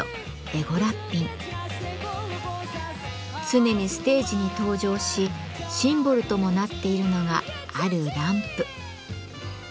常にステージに登場しシンボルともなっているのがあるランプ。